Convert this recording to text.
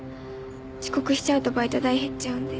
遅刻しちゃうとバイト代減っちゃうんで。